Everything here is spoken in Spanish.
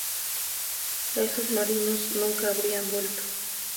Esos marinos nunca habrían vuelto.